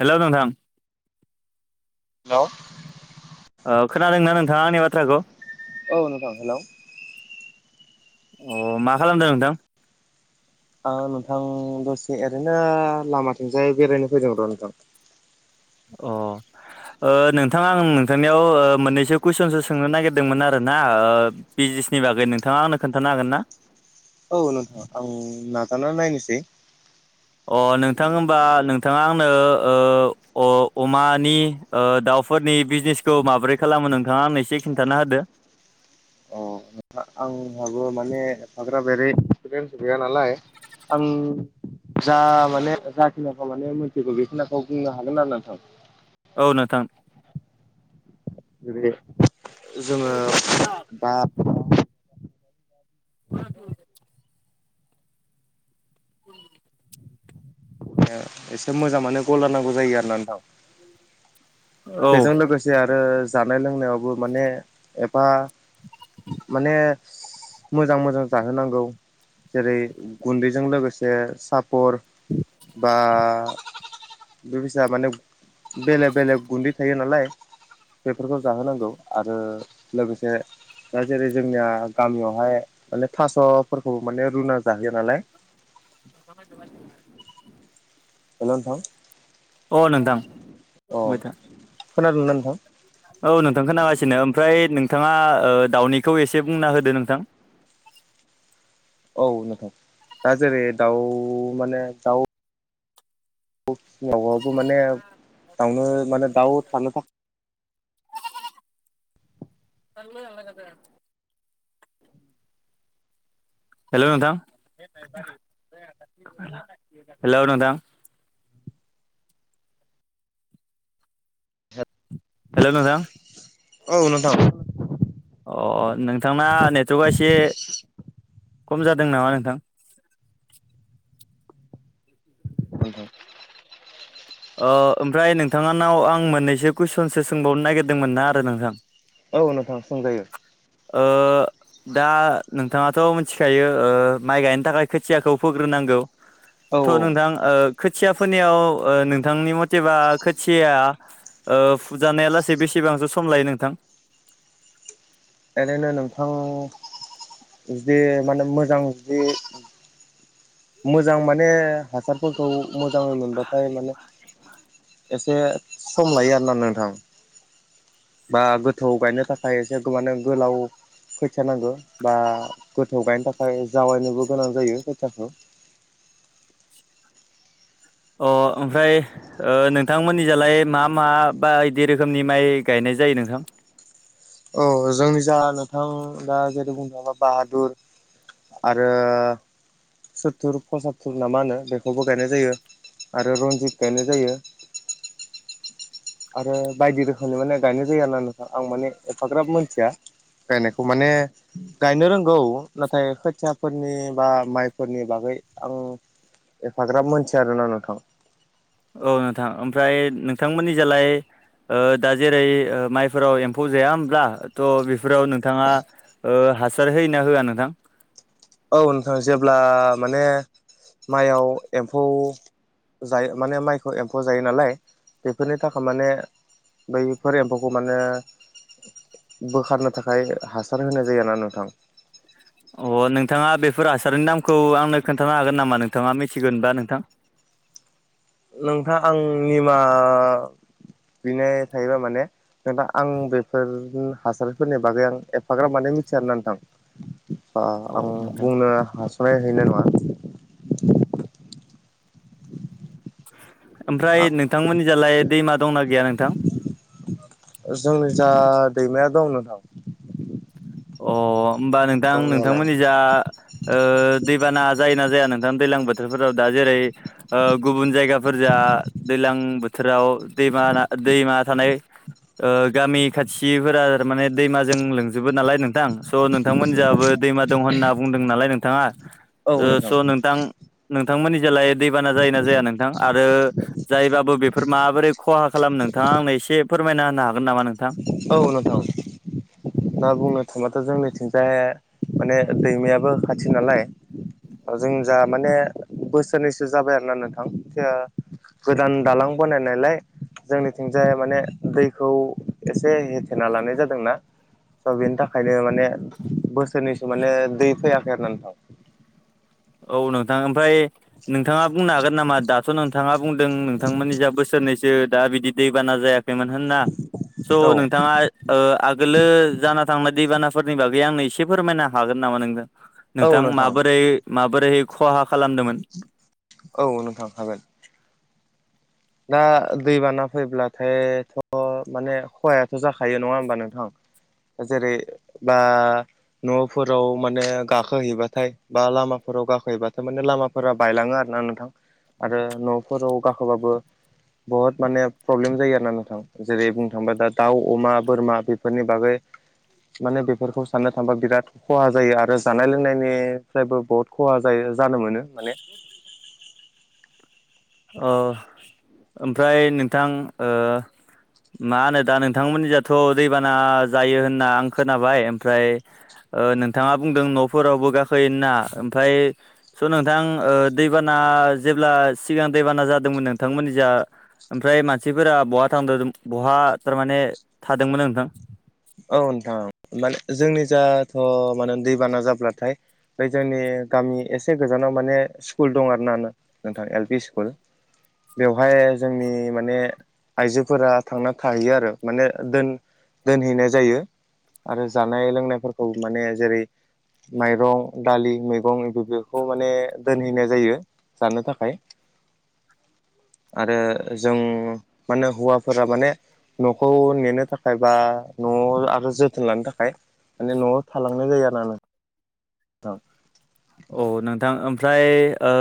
Hello नोंथां hello ओ खोनादोंना नोंथांङा आंनि बाथ्राखौ? औ नोंथां हेलौ अ मा खालामदों नोंथां? आ नोंथां दसे ओरैनो लामाथिंजाय बेरायनो फैदों र' नोंथां। अ ओ नोंथां आं नोंथांनियाव ओ मोननैसो कुइसनसो सोंनो नागिरदोंमोन आरोना ओ बिजनेसनि बागै नोंथांङा आंनो खोन्थानो हागोन ना? औ नोंथां आं नाजाना नायनिसै। अ नोंथां होमबा नोंथांङा आंनो ओ अ-अमानि ओ दाउफोरनि बिजनेसखौ माबोरै खालामो नोंथांङा आंनो एसे खिन्थाना होदो। अ आंहाबो माने हाग्राबेरै एक्सपिरियेन्स गैया नालाय आं जा माने जाखिनिखौ माने मिथिगौ बेखिनाखौ बुंनो हागोन आरो ना नोंथां। औ नोंथां [unintelligible] जोङो दा [unintelligible] [inaudible] एसे मोजां माने गलार नांगौ जायो आरोना नोंथां। औ बेजों लोगोसे आरो जानाय लोंनायावबो माने एफा माने मोजां मोजां जाहोनांगौ। जेरै गुन्दैजों लोगोसे साफ फर बा बे फिसा माने बेलेग बेलेग गुन्दै थायो नालाय बेफोरखौ जाहोनांगौ आरो लोगोसे दा जेरै जोंनिया गामियावहाय माने थास'फोरखौबो माने रुना जाहोयो नालाय [unintelligible] हेल नोंथां। अ नोंथां अ बुंबायथा। खोनादोंना नोंथां औ नोंथांखौ नांगासिनो। ओमफ्राय नोंथाङा दाउनिखौ एसे बुंना होदो नोंथां। औ नोंथां दा जेरै दाउ माने दाउ दाव फिसिनायावबो माने दाउनो माने दाउ थानो थाखाय [unintelligible] हेल' नोंथां हेल' नोंथां। [unintelligible] हेल' नोथां। औ नोंथां। अ नोंथांना नेटवर्कआ एसे खम जादों नामा नोंथां? नोंथां ओ ओमफ्राय नोंथांङानाव आं मोननैसो कुइसनसो सोंबावनो नागिरदोंमोन ना आरो नोंथां। औ नोंथां सोंजायो। ओ दा नोंथाङाथ' मिथिखायो ओ माइ गायनो थाखाय खोथियाखौ फोग्रोनांगौ। [inaudible] औ औ। नोंथां ओ खोथिया फोनायाव ओ नो नोंथांनि मथेबा खोथियाया फुजानाया लासै बेसेबांसो सम लायो नोंथां? ओरैनो नोंथां जे माने मोजां जुदि मोजां माने हासारफोरखौ मोजाङै मोनबाथाय माने एसे सम लायो आरोना नोंथां। बा गोथौ गायनो थाखाय एसे माने गोलाव खैथिया नांगौ। बा गोथौ गायनो थाखाय जावायनोबो गोनां जायो खैथियाखौ। अ ओमफ्राय नोंथांमोननिजालाय मा मा बा बिदि रोखोमनि माइ गायनाय जायो नोंथां? औ जोंनि जा नोंथां दा जेरै बुंनो बा बाहादुर आरो सुत्थुर पसातथुर ना मा होनो बेखौबो गायनाय जायो आरो रनजित गायनाय जायो। आरो बायदि रोखोमनि माने गायनाय जायो आरो नोंथां आं माने एफाग्राब मानथिया। बायनायखौ माने गायनो रोंगौ नाथाय खोथियाफोरनि बा माइफोरनि बागै आं एफाग्राब मोनथिया आरोना नोंथां। औ नोंथां। ओमफ्राय नोंथांमोननि जालाय दा जेरै माइफोराव एम्फौ जाया होनोमब्ला थ' बेफोराव नोंथाङा ओ हासार होया होआ नोंथां? औ नोंथां। जेब्ला माने माइयाव एम्फौ जायो माने माइखौ एम्फौया जायो नालाय बेफोरनि थाखाय माने बै फोर एम्फौखौ माने बोखारनो थाखाय हासार होनाय जायोना नोंथां अ नोंथाङा बेफोर हासारनि नामखौ आंनो खोन्थानो हागोन नामा नोंथाङा मिथिगोनबा नोंथां? नोंथाङा आं निमा बिनाय थायोबाय माने। नोंथां आं बेफोर हासारफोरनि बागै आं एफाग्राफ माने मिथिया आरोना नोंथां। औ आं नोंथां बुंनो हासनाय हैनाय नङा। ओमफ्राय नोंथांमोननि जालाय दैमा दंना गैया नोंथां। जोंनि जा दैमाया दं नोंथां अ होमबा नोंथां दंनायालाय नोंथांमोननि जा ओ दैबाना जायोना जाया नोंथां दैज्लां बोथोराव दा जेरै ओ गुबुन जायगाफोरजा दैलां बोथोराव दैमा दैमा थानाय ओ गामि खाथिफोरा माने दैमाजों लोंजोबो नालाय नों नोंथां स' नोंथांमोन जाहाबो दैमा दं होनना बुंदों नालाय नोंथाङा औ स' नोंथां नोंथांमोननि जालाय दैबाना जायोना जाया नोंथां आरो जायबाबो बेफोर माबोरै खहा खालाम नोंथाङा आंनो एसे फोरमायना होनो हागोन नामा नोंथां। औनोंथां। ना बुंनो थाङबाथ' जोंनिथिंजाय माने दैमायाबो खाथि नालाय जों जा माने बोसोरनैसो जाबाय आरोना नोंथां। गोदान दालां बानायनायलाय जोंनिथिंजाय माने दैखौ एसे हथेना लानाय जादोंना स' बिनि थाखायनो माने बोसोरनैसो माने दै फैयाखै आरो ना नोंथां। औ नोंथां ओमफ्राय नोंथाङा बुंनो हागोन नामा दाथ' नोंथाङा बुंदों नोंथांमोननि जा बोसोरनै दा बिदि दैबाना जायाखैमोन होनना स' औ नोंथाङा ओ आगोलो जाना थांनाय दैबानाफोरनि बागै आंनो एसे फोरमायनो हागोन नामा नोंजों नोंथां माबोरै माबोरै खहा खालामदोंमोन औ नोंथां हागोन। दा दैबाना फैब्लाथायथ' माने खहायाथ' जाखायो नङा होमबा नोंथां। जेरै बा न'फोराव माने गाखोहैबाथाय बा लामाफोराव गाखोहैबाथाय माने लामा फोरा बायलाङो आरो ना नोंथां आरो न'फोराव गाखोबाबो बहुद माने प्रब्लेम जायो आर ना नोंथां जेरै बुंनो थांबा दा दाउ अमा बोरमा बेफोरनि बागै माने बेफोरखौ साननो थांबा बिराद खहा जायो आरो जानाय लोंनायनिफ्रायबो बहुत खहा जायो जानो मोनो माने अ ओमफ्राय नोंथां ओ मा होनो दा नोंथांमोननि जाथ' दैबाना जायो होनना आं खोनाबाय ओमफ्राय नोंथाङा बुंदों न'फोरावबो गाखोयोना ओमफ्राय स' नोंथां ओ दैबाना जेब्ला सिगां दैबाना जादोंमोन नोंथांमोननि जा ओमफ्राय मानसिफोरा बहा थांदों बहा थारमाने थादोंमोन नोंथां। औ नोंथां माने जोंनि जाथ' माने दैबाना जाब्लाथाय जोंनि गामि एसे गोजानाव माने स्कुल दं आरोना नोंथां एल पि स्कुल बेवहाय जोंनि माने आइजोफोरा थांना थाहैयो आरो माने दोनहैनाय जायो आरो जानाय लोंनायफोरखौ माने जेरै माइरं दालि मैगं बे बेखौ माने दोनहैनाय जायो जानो थाखाय आरो जों माने हौवाफोरा माने न'खौ नेनो थाखाय बा न'आव आरो जोथोन लानो थाखाय माने न'आव थालांनाय जायो आरो ना औ औ नोंथां ओमफ्राय ओ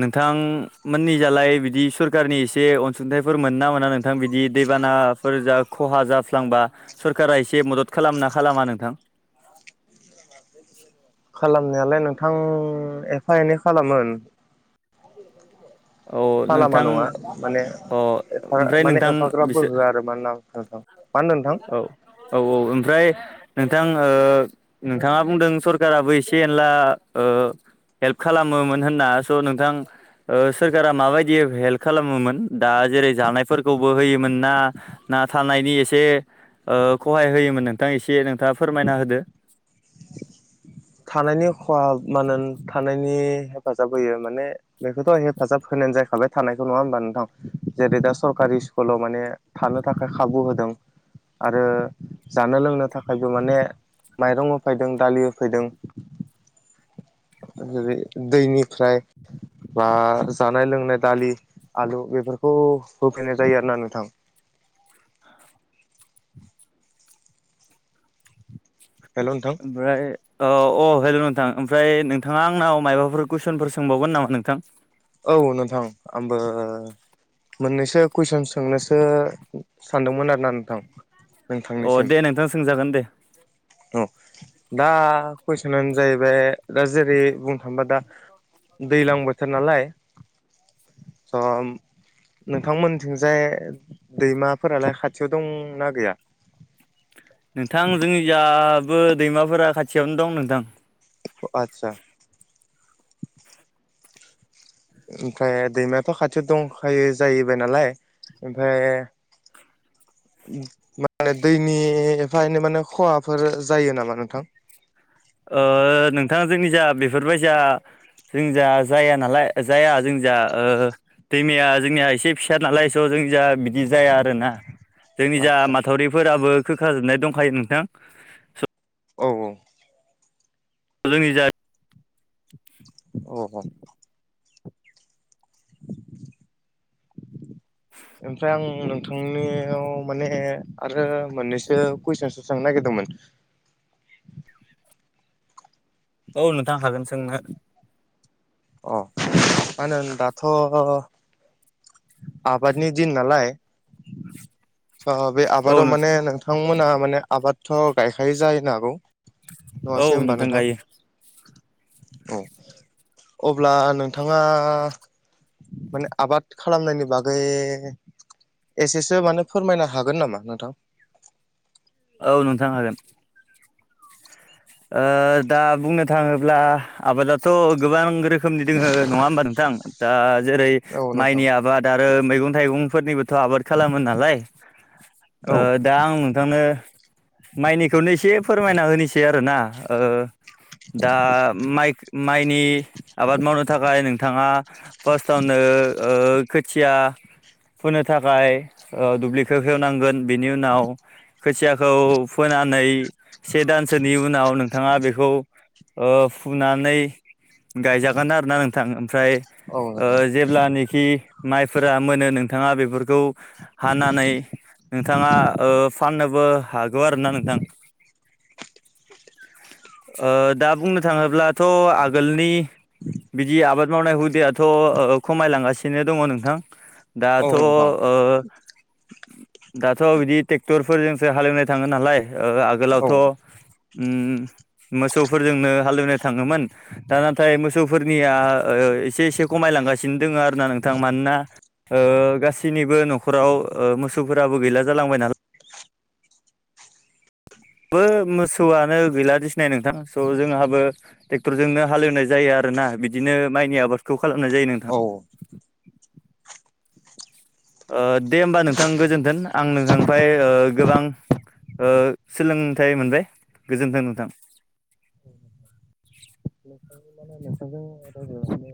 नोंथांमोननिजालाय बिदि सरखारारनि एसे अनसुंथाइफोर मोन ना मोना नोंथ नोंथां बिदि दैबानाफोर जा खहा जाफ्लांबा सरकारा एसे मदद खालामना खालामा नोंथां। खालामनायालाय नोंथां एफा एनै खालामोन [unintelligible] खालामा नोंथां नङा माने अ एफा ओमफ्राय माने नोंथां एफाग्राब बिसोर बो होआ आरो [unintelligible] मा होनदों नोंथां औ औ औ ओमफ्राय नोंथां ओ नोंथाङा बुंदों सर काराबो एसे एनला ओ हेल्प खालामोमोन होनना स' नोंथां ओ सोरखारा माबायदि हेल्प खालामोमोन दा जेरै जानाय फोरखौबो होयोमोन ना ना थानायनि एसे खहाय होयोमोन नोंथां एसे नोंथाङा फोरमायना होदो। थानायनि खहा मान थानायनि हेफाजाब होयो माने बेखोथ' हेफाजाब होनायानो जायैखाबाय थानायखौ नङा होमबा नोंथां जेरै दा सरकारि स्कुलाव माने थानो थाखाय खाबु होदों आरो जानो लोंनो थाखायबो माने माइरं होफायदों दालि होफैदों। जेरै दैनिफ्राय बा जानाय लोंनाय दालि आलु बेफोरखौ होफैनाय जायो आरोना नोंथां। हेलौ नोंथां ओमफ्राय औ अ हेल' नोंथां ओमफ्राय नोंथाङा आंनाव माबाफोर कुइसनफोर सोंबावगोन नामा नोंथां। औ नोंथां आंबो। मोननैसो कुइसन सोंनोसो सानदोंमोन आरो ना नोंथां। अ नोंथांनिसिम दे नोंथां सोंजागोन दे औ दा कुइसनानो जाहैबाय दा जेरै बुंनो थांबा दा दैज्लां बोथोर नालाय ओ नोंथांमोनथिंजाय दैमाफोरालाय खाथियाव दंना गैया नोंथां जोंनि जाबो दैमाफोरा खाथियावनो दं नोंथां। आतसा ओमफ्राय दैमायाथ' खाथियाव दंखायो जाहैबाय नालाय ओमफ्राय माने दैनि एफा एनै माने खहाफोर जायो नामा नोंथां। ओ नोंथां जोंनि जा बेफोरबायसा जोंनिजा जाया नालाय जाया जोंनिजाओ दैमाया जोंनिया एसे फिसा नालाय स' जों जा बिदि जाया आरोना जोंनि जा आदसा माथावरिफोराबो खोखाजोबनाय दंखायो नोंथां। स' औ औ जोंनि जाय अह [unintelligible] ओमफ्राय आं नोंथांनियाव माने आरो मोननैसो कुइसनसो सोंनो नागिरदोंमोन। औ नोंथां हागोन सोंनो। अ मा होनो दाथ' आबादनि दिन नालाय स बे औ आबादाव माने नोंथां नोंथ थांमोना माने आबादथ' गायखायो जायनो हागौ। औ नङासै होमबा नोंथां गायो औ अब्ला नोंथाङा माने आबाद। खालामनायनि बागै एसेसो माने फोरमायनो हागोन नामा नोंथां। औ नोंथां हागोन। ओ दा बुंनो थाङोब्ला आबादाथ' गोबां रोखोम। रोखोमनि दोङो नङा होमबा नोंथां दा जेरै औ नोंथां माइनि आबाद। द आरो मैगं थाइगंफोरनिबोथ' आबाद। खालामो नालाय औ ओ दा आं नोंथांनो। माइनिखौनो एसे फोरमायना होनोसै आरोना दा माइ माइनि आबाद मावनो थाखाय नोंथाङा। फार्स्टआवनो ओ खोथिया फोनो थाखाय ओ दुब्लिखो हेवनांगोन बेनि उनाव खोथियाखौ फोनानै से दान सो उनाव नोंथाङा बेखौ ओ फुनानै गायजागोन आरोना नोंथां। ओमफ्राय औ नोंथां जेब्लानखि माइफोरा मोनो नोंथाङा बेफोर खौ हानानै नोंथाङा ओ फाननोबो हागौ आरोना नोंथां। ओ दा बुंनो थाङोब्लाथ' आगोलनि बिदि आबाद मावनाय हुदायाथ' ओ खमायलांगासिनो दङ नोंथां। औ दाथ' ओ नोंथां दाथ' बिदि ट्रेक्टरफोरजोंसो हालेवनाय थाङो नालाय ओ औ आगोलावथ' उम मोसौफोरजोंनो हालेवनो थाङोमोन दा नाथाय मोसौफोरनिया ओ एसे एसे खमायलांगासिनो दङ आरोना नोंथां मानोना ओ गासैनिबो न'खराव ओ मोसौफोराबो गैला जालांबाय नालाय बो मोसौआनो गैलादि सिनाय नोंथां स' जोंहाबो ट्रेक्टरजोंनो हालेवनाय जायो आरो ना बिदिनो माइनि आबादखौ खालामनाय जायो नों औ ओ दे होमबा नोंथां गोजोन्थों आं नोंथांनिफ्रा ओ गोबां ओ सोलोंथाइ मोनबाय गोजोन्थों नोंथां। नोंथांजों माने नोंथांजों रायज्लायना